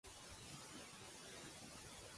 Com es diu la viuda?